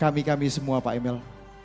kami kami semua pak emil